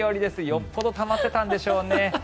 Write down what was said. よほどたまってたんでしょうね。